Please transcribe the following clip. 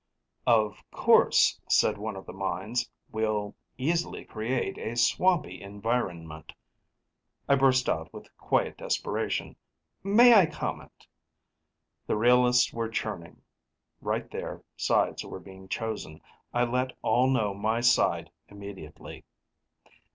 "Of course," said one of the Minds, "we'll easily create a swampy environment " I burst out with quiet desperation: "May I comment?" The realists were churning. Right there, sides were being chosen. I let all know my side immediately.